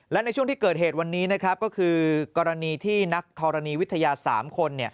และในช่วงที่เกิดเหตุวันนี้นะครับก็คือกรณีที่นักธรณีวิทยา๓คน